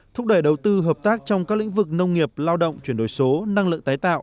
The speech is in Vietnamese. thúc đẩy đầu tư hợp tác trong các lĩnh vực nông nghiệp lao động chuyển đổi số năng lượng tái tạo